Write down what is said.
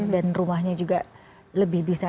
rumahnya juga lebih bisa